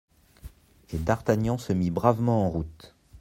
Et d'Artagnan se mit bravement en route.